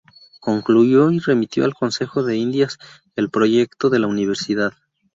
Concluyó y remitió al Consejo de Indias el proyecto de la Universidad.